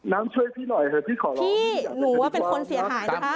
ช่วยพี่หน่อยเถอะพี่ขอร้องพี่หนูว่าเป็นคนเสียหายนะคะ